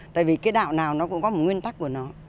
tại vì cái đạo nào nó cũng có một nguyên tắc của nó